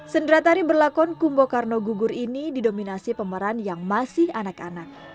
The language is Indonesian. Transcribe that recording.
sendiratari berlakon kumbokarno gugur ini didominasi pemeran yang masih anak anak